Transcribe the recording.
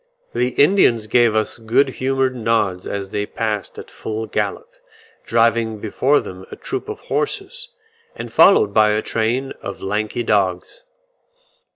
The Indians gave us good humoured nods as they passed at full gallop, driving before them a troop of horses, and followed by a train of lanky dogs.